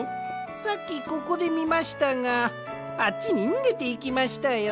さっきここでみましたがあっちににげていきましたよ。